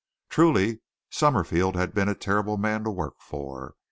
Truly, Summerfield had been a terrible man to work for.